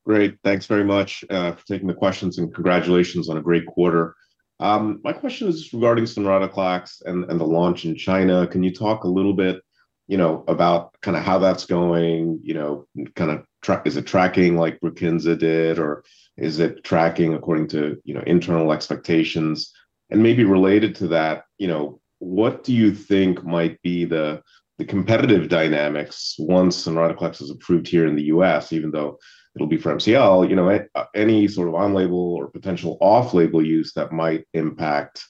Great. Thanks very much, for taking the questions, and congratulations on a great quarter. My question is regarding sonrotoclax and the launch in China. Can you talk a little bit, you know, about kinda how that's going? You know, is it tracking like BRUKINSA did, or is it tracking according to, you know, internal expectations? Maybe related to that, you know, what do you think might be the competitive dynamics once sonrotoclax is approved here in the U.S., even though it'll be for MCL. You know, any sort of on-label or potential off-label use that might impact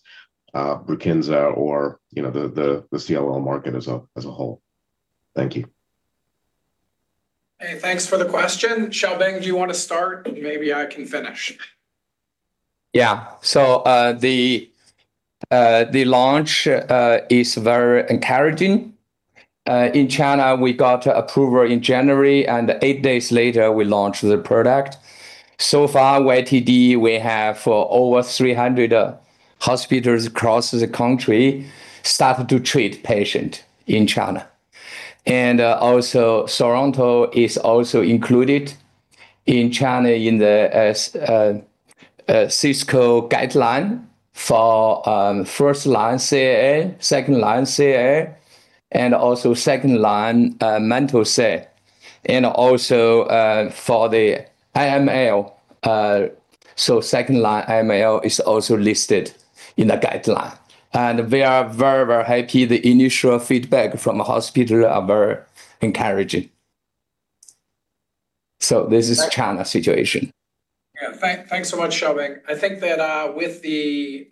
BRUKINSA or, you know, the CLL market as a whole? Thank you. Hey, thanks for the question. Xiaobin Wu, do you want to start? Maybe I can finish. Yeah. The launch is very encouraging. In China, we got approval in January, and eight days later, we launched the product. So far, YTD, we have over 300 hospitals across the country started to treat patient in China. A CSCO guideline for first-line CA, second-line CA, also second-line mantle cell lymphoma. For the WM, second-line WM is also listed in the guideline. We are very, very happy. The initial feedback from hospital are very encouraging. China situation. Thanks so much, Xiaobin. I think that with the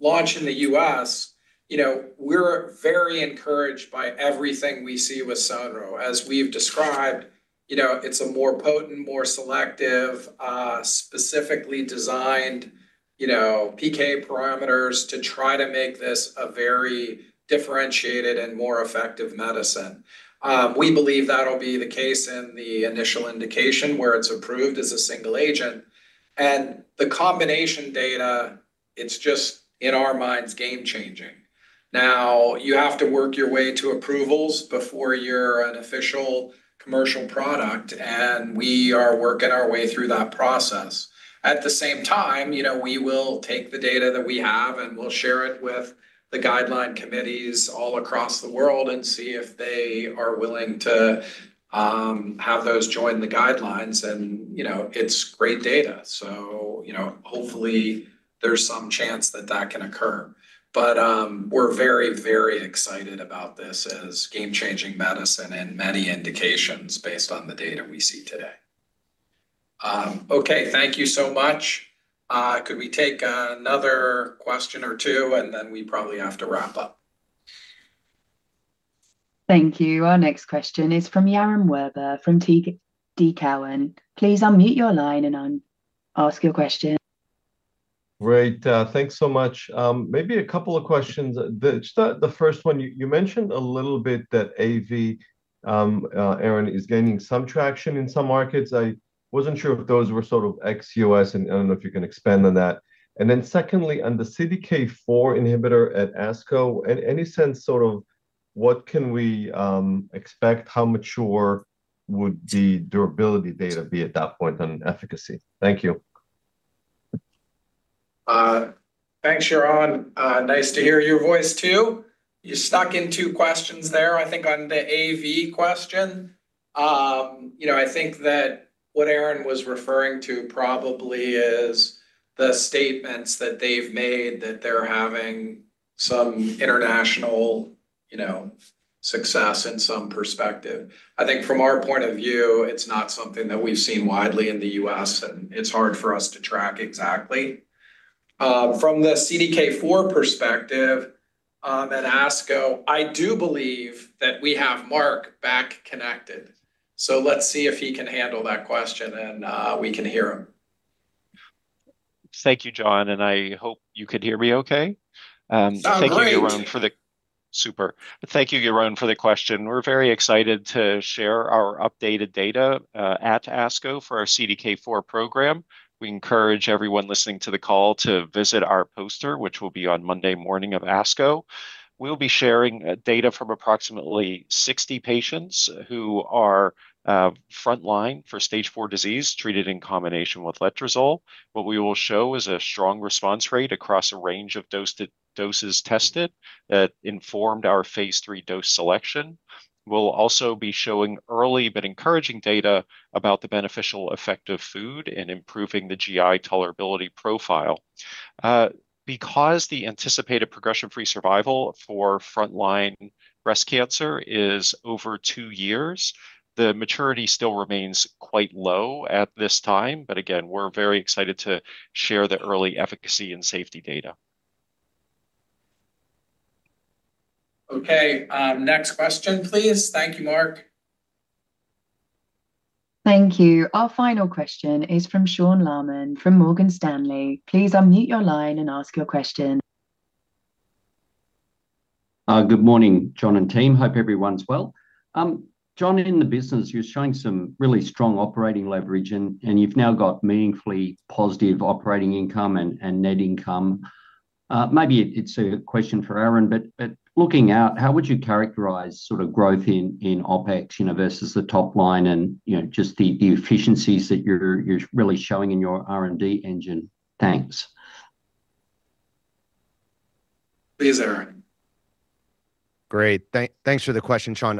launch in the U.S., you know, we're very encouraged by everything we see with XODRO. As we've described, you know, it's a more potent, more selective, specifically designed, you know, PK parameters to try to make this a very differentiated and more effective medicine. We believe that'll be the case in the initial indication where it's approved as a single agent. The combination data, it's just, in our minds, game-changing. You have to work your way to approvals before you're an official commercial product, and we are working our way through that process. At the same time, you know, we will take the data that we have, and we'll share it with the guideline committees all across the world and see if they are willing to have those join the guidelines and, you know, it's great data. You know, hopefully there's some chance that that can occur. We're very, very excited about this as game-changing medicine in many indications based on the data we see today. Okay, thank you so much. Could we take another question or two, and then we probably have to wrap up. Thank you. Our next question is from Yaron Werber from TD Cowen. Please unmute your line and ask your question. Great. Thanks so much. Maybe a couple of questions. The first one, you mentioned a little bit that AV, Aaron, is gaining some traction in some markets. I wasn't sure if those were sort of ex-U.S., and I don't know if you can expand on that. Secondly, on the CDK4 inhibitor at ASCO, any sense sort of what can we expect? How mature would the durability data be at that point on efficacy? Thank you. Thanks, Yaron. Nice to hear your voice too. You stuck in two questions there. I think on the AV question, you know, I think that what Aaron was referring to probably is the statements that they've made that they're having some international, you know, success in some perspective. I think from our point of view, it's not something that we've seen widely in the U.S., and it's hard for us to track exactly. From the CDK4 perspective, at ASCO, I do believe that we have Mark back connected, so let's see if he can handle that question and we can hear him. Thank you, John, and I hope you can hear me okay. Sounds great. Thank you, Yaron, for the question. We're very excited to share our updated data at ASCO for our CDK4 program. We encourage everyone listening to the call to visit our poster, which will be on Monday morning of ASCO. We'll be sharing data from approximately 60 patients who are frontline for stage 4 disease treated in combination with Letrozole. What we will show is a strong response rate across a range of dosed doses tested that phase III dose selection. We'll also be showing early but encouraging data about the beneficial effect of food in improving the GI tolerability profile. Because the anticipated progression-free survival for frontline breast cancer is over two years, the maturity still remains quite low at this time. Again, we're very excited to share the early efficacy and safety data. Okay. Next question, please. Thank you, Mark. Thank you. Our final question is from Sean Laaman from Morgan Stanley. Please unmute your line and ask your question. Good morning, John and team. Hope everyone's well. John, in the business, you're showing some really strong operating leverage and you've now got meaningfully positive operating income and net income. Maybe it's a question for Aaron, but looking out, how would you characterize sort of growth in OpEx, you know, versus the top line and, you know, just the efficiencies that you're really showing in your R&D engine? Thanks. Please, Aaron. Great. Thanks for the question, Sean.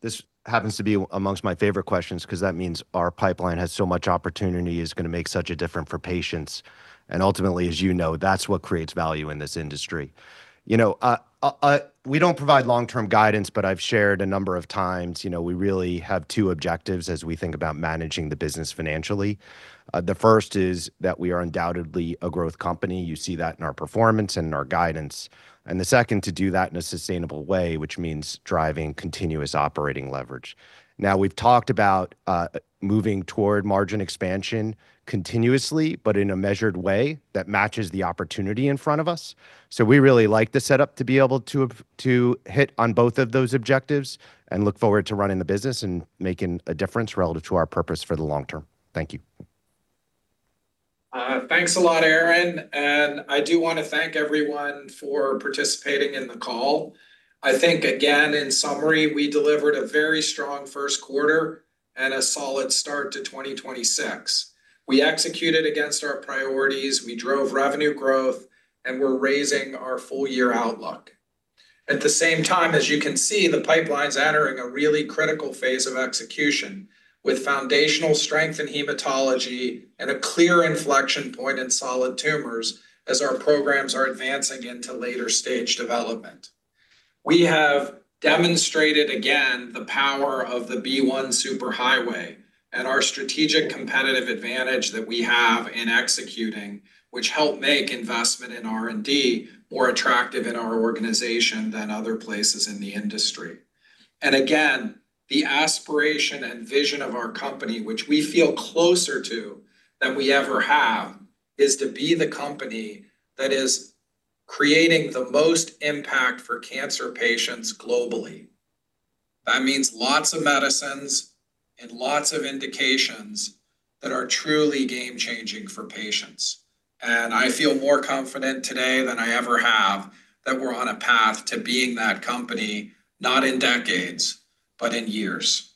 This happens to be amongst my favorite questions because that means our pipeline has so much opportunity, it's going to make such a difference for patients. Ultimately, as you know, that is what creates value in this industry. You know, we do not provide long-term guidance. I have shared a number of times, you know, we really have two objectives as we think about managing the business financially. The first is that we are undoubtedly a growth company. You see that in our performance and in our guidance. The second, to do that in a sustainable way, which means driving continuous operating leverage. Now, we have talked about moving toward margin expansion continuously, in a measured way that matches the opportunity in front of us. We really like the setup to be able to have to hit on both of those objectives and look forward to running the business and making a difference relative to our purpose for the long term. Thank you. Thanks a lot, Aaron, I do wanna thank everyone for participating in the call. I think, again, in summary, we delivered a very strong first quarter and a solid start to 2026. We executed against our priorities, we drove revenue growth, we're raising our full year outlook. At the same time, as you can see, the pipeline's entering a really critical phase of execution with foundational strength in hematology and a clear inflection point in solid tumors as our programs are advancing into later stage development. We have demonstrated again the power of the BeOne superhighway and our strategic competitive advantage that we have in executing, which help make investment in R&D more attractive in our organization than other places in the industry. Again, the aspiration and vision of our company, which we feel closer to than we ever have, is to be the company that is creating the most impact for cancer patients globally. That means lots of medicines and lots of indications that are truly game-changing for patients. I feel more confident today than I ever have that we're on a path to being that company, not in decades, but in years.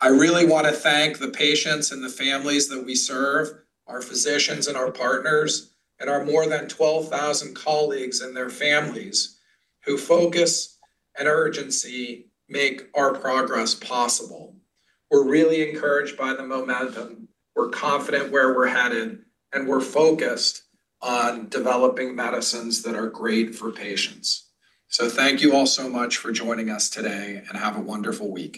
I really wanna thank the patients and the families that we serve, our physicians and our partners, and our more than 12,000 colleagues and their families, whose focus and urgency make our progress possible. We're really encouraged by the momentum, we're confident where we're headed, and we're focused on developing medicines that are great for patients. Thank you all so much for joining us today, and have a wonderful week.